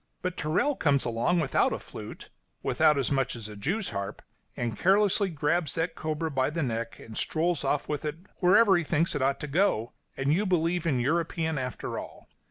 But Tyrrell comes along, without a flute without as much as a jew's harp and carelessly grabs that cobra by the neck and strolls off with it wherever he thinks it ought to go, and you believe in the European after all.